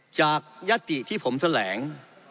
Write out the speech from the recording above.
จากยติที่ผมแสลง